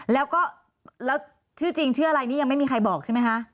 แล้วก็แล้วชื่อจริงชื่ออะไรนี่ยังไม่มีใครบอกใช่ไหมคะ